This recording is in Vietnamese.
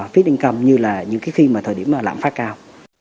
fit income như là những cái khi mà thời điểm lãm phá cao